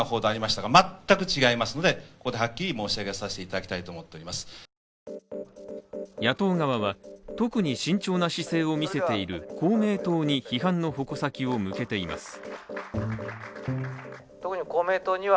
ただ、今日の会合では一転野党側は特に慎重な姿勢を見せている公明党に批判の矛先を向けています。